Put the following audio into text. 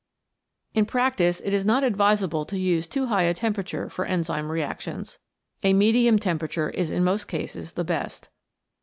In prac tice it is not advisable to use too high a temperature for enzyme reactions. A medium temperature is in most cases the best.